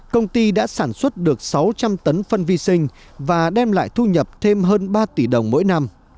công ty đã sản xuất được sáu trăm linh tấn phân vi sinh và đem lại thu nhập thêm hơn ba tỷ đồng mỗi năm